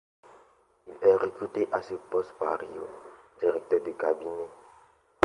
Il est recruté à ce poste par Rémy Rioux, directeur de cabinet.